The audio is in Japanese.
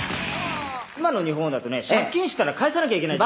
今の日本だとね借金したら返さなきゃいけない。